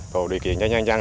tổ điều kiện cho nhân dân